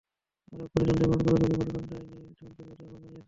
আরেক প্রতিদ্বন্দ্বী Marco Rubio ঘটনার দায় নিতে ট্রাম্পের প্রতি আহ্বান জানিয়েছেন।